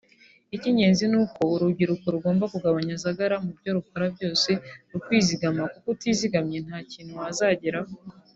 Icy’ingenzi ni uko urubyiruko rugomba kugabanya zagara mu byo rukora byose rukizigama kuko utizigamye nta kintu wazageraho